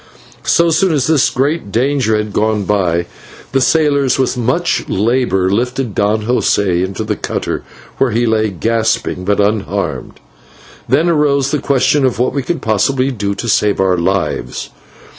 So soon as this great danger had gone by, the sailors with much labour lifted Don José into the cutter, where he lay gasping but unharmed. Then arose the question of what we could possibly do to save our lives.